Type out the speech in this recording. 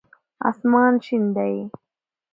آسمان شين دی.